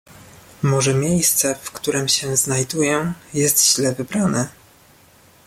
"Może miejsce, w którem się znajduję, jest źle wybrane?"